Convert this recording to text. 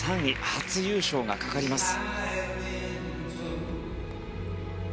初優勝がかかります。